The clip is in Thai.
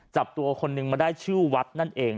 จับตัวคนนึงมาได้ชื่อวัดนั่นเอง